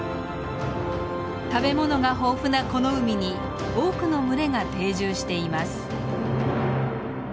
食べ物が豊富なこの海に多くの群れが定住しています。